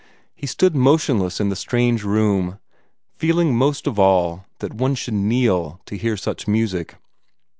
He stood motionless in the strange room, feeling most of all that one should kneel to hear such music.